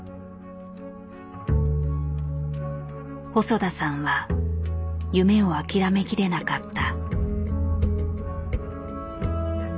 細田さんは夢を諦めきれなかった。